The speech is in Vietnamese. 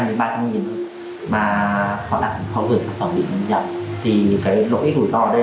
mà chị thkind bình tĩnh